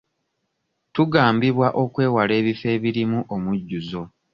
Tugambibwa okwewala ebifo ebirimu omujjuzo.